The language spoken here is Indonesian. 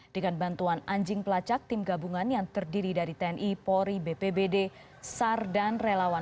dengan bantuan anjing pelacak tim gabungan yang terdiri dari tni polri bpbd sar dan relawan